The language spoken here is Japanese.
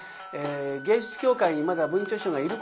芸術協会にまだ文朝師匠がいる頃。